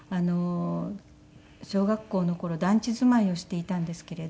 小学校の頃団地住まいをしていたんですけれど。